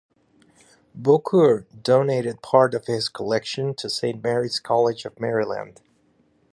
Bocour donated part of his collection to Saint Mary's College of Maryland.